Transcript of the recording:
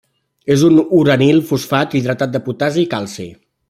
És un uranil-fosfat hidratat de potassi i calci.